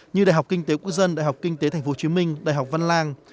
như đại học kinh tế quốc dân đại học kinh tế tp hcm đại học văn lang